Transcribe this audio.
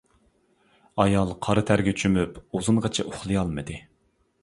ئايال قارا تەرگە چۆمۈپ ئۇزۇنغىچە ئۇخلىيالمىدى.